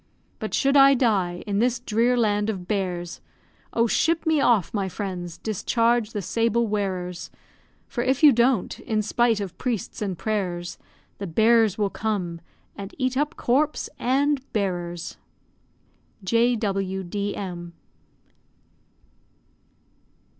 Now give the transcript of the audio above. But should I die in this drear land of bears, Oh! ship me off, my friends, discharge the sable wearers, For if you don't, in spite of priests and prayers, The bear will come, and eat up corpse and bearers. J.W.D.M.